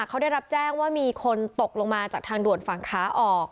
เขาได้รับแจ้งว่ามีคนตกลงมาจากทางด่วนฝั่งขาออก